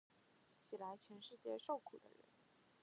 起来，全世界受苦的人！